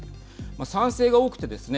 賛成が多くてですね